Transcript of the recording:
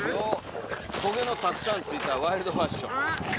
「とげのたくさんついたワイルドファッション」。